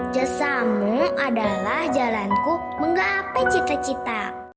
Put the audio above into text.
jasamu adalah jalanku menggapai cita cita